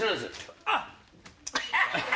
あっ。